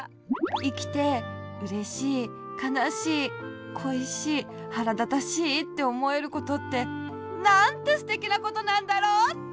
いきて「うれしい」「かなしい」「こいしい」「はらだたしい」っておもえることってなんてすてきなことなんだろう！って。